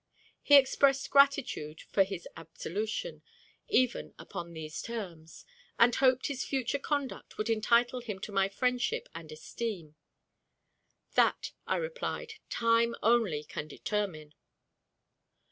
He expressed gratitude for his absolution, even upon these terms, and hoped his future conduct would entitle him to my friendship and esteem. "That," I replied, "time only can determine."